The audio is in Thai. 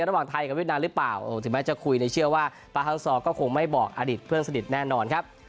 ระหว่างไทยกับเวียดนามหรือเปล่าถึงแม้จะคุยในเชื่อว่าปาฮาวซอร์ก็คงไม่บอกอดีตเพื่อนสนิทแน่นอนครับ